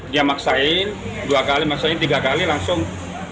dia maksain dua kali maksain tiga kali langsung